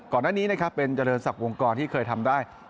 ก่อนด้านนี้เป็นเจริญสักวงกรที่เคยทำได้